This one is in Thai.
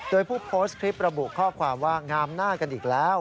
โดยผู้โพสต์คลิประบุข้อความว่างามหน้ากันอีกแล้ว